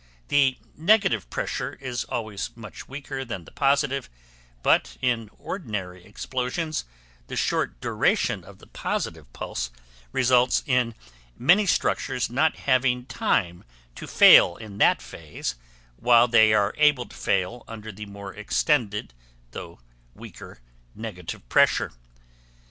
The negative pressure is always much weaker than the positive, but in ordinary explosions the short duration of the positive pulse results in many structures not having time to fail in that phase, while they are able to fail under the more extended, though weaker, negative pressure.